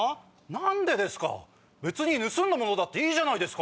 何でですか⁉別に盗んだものだっていいじゃないですか！